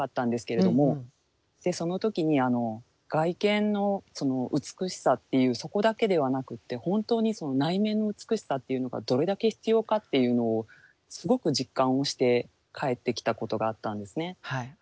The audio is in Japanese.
でその時に外見の美しさっていうそこだけではなくって本当に内面の美しさっていうのがどれだけ必要かっていうのをすごく実感をして帰ってきたことがあったんですね。